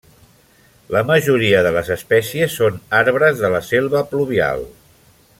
La majoria de les espècies són arbres de la selva pluvial.